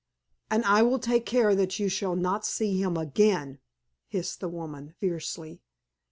"And I will take care that you shall not see him again!" hissed the woman, fiercely.